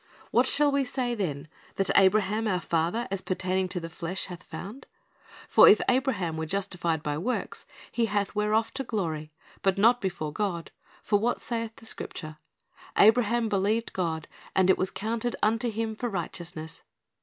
"What shall we say then that Abraham our father, as pertaining to the flesh, hath found? For if Abraham were justified by works, he hath whereof to glory; but not before God. For what saith the Scripture? Abraham believed God, and it was counted unto him for righteousness.